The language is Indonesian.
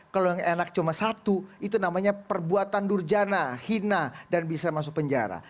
kalau yang enak cuma satu itu namanya perbuatan durjana hina dan bisa masuk penjara